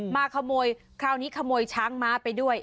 มาขโมยคราวนี้ขโมยช้างม้าไปด้วย